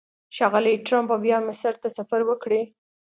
ښاغلی ټرمپ به بیا مصر ته سفر وکړي.